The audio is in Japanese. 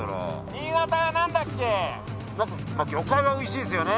新潟はなんだっけ？魚介はおいしいですよね。